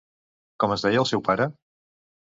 Com es deia el seu pare?